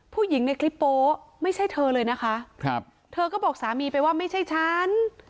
ผู้หญิงในคลิปโป๊ไม่ใช่เธอเลยนะคะครับเธอก็บอกสามีไปว่าไม่ใช่ฉัน